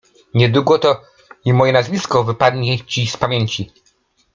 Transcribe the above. — Niedługo to i moje nazwisko wypadnie ci z pamięci!